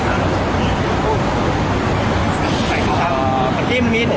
ใส่ข้างอ๋อมันทิ้งมิ้น